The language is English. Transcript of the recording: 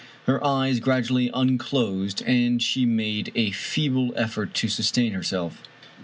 Her eyes gradually unclosed, and she made a feeble effort to sustain herself.